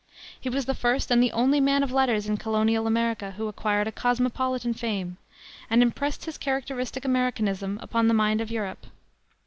He was the first and the only man of letters in colonial America who acquired a cosmopolitan fame, and impressed his characteristic Americanism upon the mind of Europe.